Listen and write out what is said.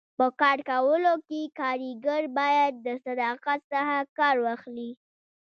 په کار کولو کي کاریګر باید د صداقت څخه کار واخلي.